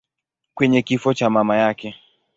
kwenye kifo cha mama yake.